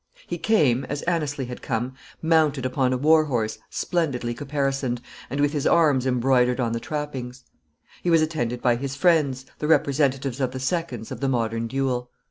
He came, as Anneslie had come, mounted upon a war horse splendidly caparisoned, and with his arms embroidered on the trappings. He was attended by his friends, the representatives of the seconds of the modern duel.